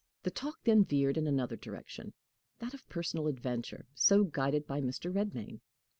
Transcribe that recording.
The talk then veered in another direction that of personal adventure, so guided by Mr. Redmain.